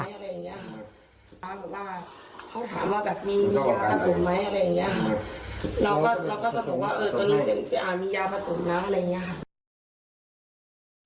เขาถามว่ามีนะครับ